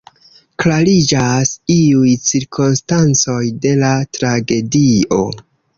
Klariĝas iuj cirkonstancoj de la tragedio.